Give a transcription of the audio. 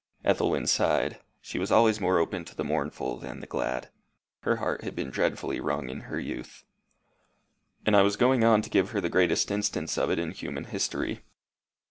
Ethelwyn sighed. She was always more open to the mournful than the glad. Her heart had been dreadfully wrung in her youth. "And I was going on to give her the greatest instance of it in human history.